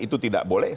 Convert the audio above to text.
itu tidak boleh